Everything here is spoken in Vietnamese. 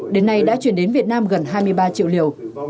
đến nay đã chuyển đến việt nam gần hai mươi ba triệu liều